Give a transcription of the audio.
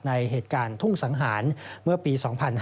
ในเหตุการณ์ทุ่งสังหารเมื่อปี๒๕๕๙